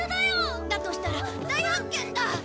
だったら大発見だ！